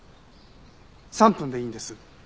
３分でいいんです。